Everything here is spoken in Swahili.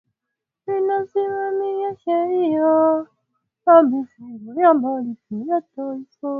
inasimamia sheria ya mifumo ya malipo ya taifa